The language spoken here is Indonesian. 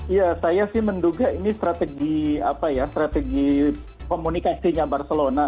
ya saya sih menduga ini strategi komunikasinya barcelona